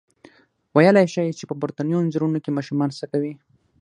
ویلای شئ چې په پورتنیو انځورونو کې ماشومان څه کوي؟